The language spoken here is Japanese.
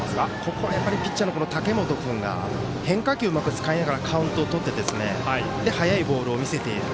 ここはピッチャーの武元君が変化球うまくつかいながらカウントをとって速いボールを見せている。